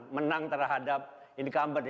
menang terhadap incumbent